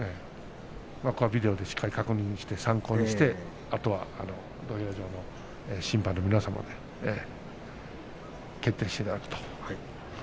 ビデオでしっかり確認して参考にしてあとは土俵上の審判の皆さんに決定していただくと。